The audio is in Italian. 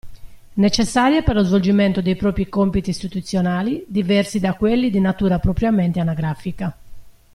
Necessarie per lo svolgimento dei propri compiti istituzionali diversi da quelli di natura propriamente anagrafica.